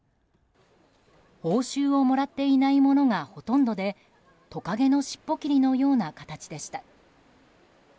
報酬をもらっていない者がほとんどでトカゲのしっぽ切りのような形でした。